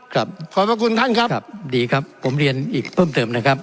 ขอบพระคุณท่านครับครับดีครับผมเรียนอีกเพิ่มเติมนะครับ